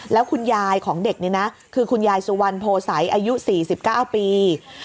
แล้วคุณยายของเด็กนี่นะคือคุณยายสุวรรณโพสัยอายุ๔๙ปี